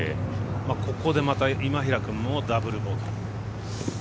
ここでまた今平君もダブルボギー。